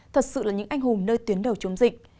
thật sự là những anh hùng nơi tuyến đầu chống dịch